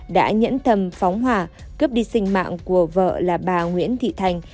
đã nhẫn tâm phóng hòa cướp đi sinh mạng của vợ là bà nguyễn thị thành